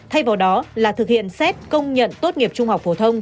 thay vào đó là thực hiện xét công nhận tốt nghiệp trung học phổ thông